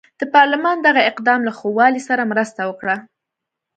د پارلمان دغه اقدام له ښه والي سره مرسته وکړه.